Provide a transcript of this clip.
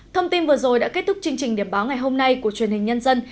thông tin vừa rồi đã kết thúc chương trình điểm báo ngày hôm nay của truyền hình nhân dân